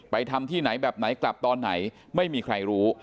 ทำที่ไหนแบบไหนกลับตอนไหนไม่มีใครรู้